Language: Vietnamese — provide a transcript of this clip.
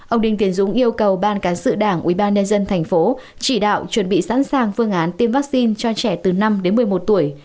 ông đinh tiến dũng yêu cầu ban cán sự đảng ubnd tp chỉ đạo chuẩn bị sẵn sàng phương án tiêm vaccine cho trẻ từ năm đến một mươi một tuổi